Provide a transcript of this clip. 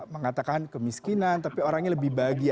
mengatakan kemiskinan tapi orangnya lebih bahagia